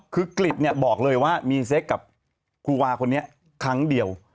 คือกริจบอกเลยว่ามีเซ็กกับครูวาคนนี้ครั้งเดียว